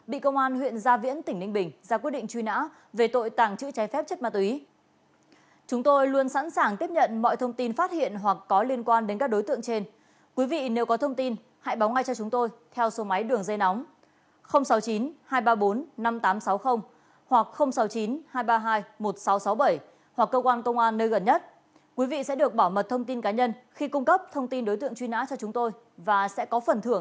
bị công an huyện gia viễn tỉnh ninh bình ra quyết định truy nã về tội tàng trữ trái phép chất ma túy